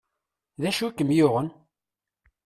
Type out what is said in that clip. D acu i kem yuɣen?